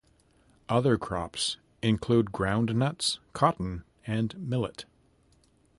Other crops include groundnuts, cotton and millet.